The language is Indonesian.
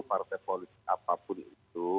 partai politik apapun itu